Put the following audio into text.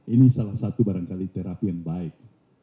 ini salah satu barangkali terapi yang baik